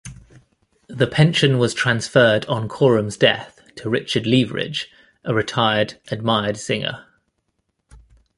The pension was transferred on Coram's death to Richard Leveridge, a retired admired singer.